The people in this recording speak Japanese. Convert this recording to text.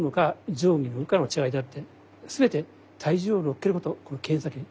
上下に動くのかの違いであって全て体重を乗っけることこの剣先に。